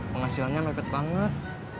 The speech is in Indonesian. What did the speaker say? penghasilannya mepet banget